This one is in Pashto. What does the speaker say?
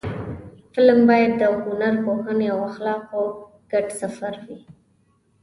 فلم باید د هنر، پوهنې او اخلاقو ګډ سفر وي